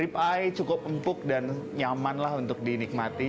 rip eye cukup empuk dan nyaman lah untuk dinikmati